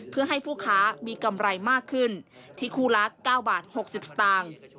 เพื่อให้ผู้ค้ามีกำไรมากขึ้นที่คู่ละ๙บาท๖๐สตางค์